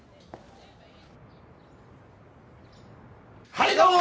はいどうも！